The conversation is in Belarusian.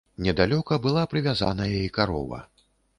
Недалёка была прывязаная і карова.